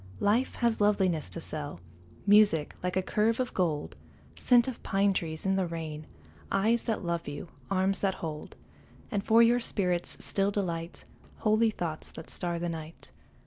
Life has loveliness to sell, Music like a curve of gold, Scent of pine trees in the rain, Eyes that love you, arms that hold, And for your spirit's still delight, Holy thoughts that star the night.